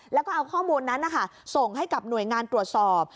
แล้วก็เอาข้อมูลนั้นนะคะส่งให้กับหน่วยงานตรวจสอบ